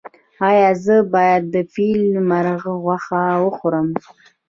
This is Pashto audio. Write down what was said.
ایا زه باید د فیل مرغ غوښه وخورم؟